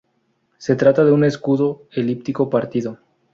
Se trata de un escudo elíptico partido.